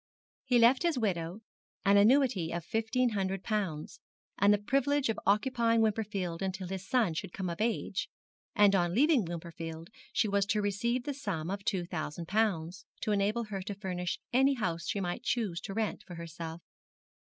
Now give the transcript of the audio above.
He left his widow an annuity of fifteen hundred pounds, and the privilege of occupying Wimperfield until his son should come of age, and on leaving Wimperfield she was to receive the sum of two thousand pounds, to enable her to furnish any house she might choose to rent for herself.